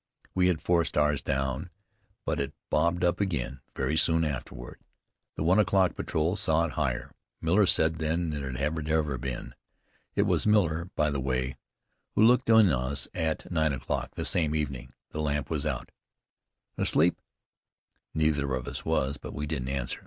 We had forced ours down, but it bobbed up again very soon afterward. The one o'clock patrol saw it, higher, Miller said, than it had ever been. It was Miller, by the way, who looked in on us at nine o'clock the same evening. The lamp was out. "Asleep?" Neither of us was, but we didn't answer.